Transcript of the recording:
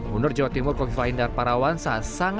gunur jawa timur kofi fahim darparawan